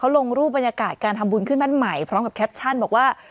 ลงรูปบรรยากาศการทำบุญขึ้นบ้านใหม่พร้อมกับแคปชั่นบอกว่า